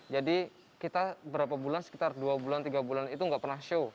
jadi kita berapa bulan sekitar dua bulan tiga bulan itu nggak pernah show